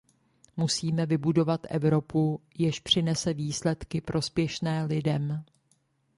Musíme vybudovat Evropu, jež přinese výsledky prospěšné lidem.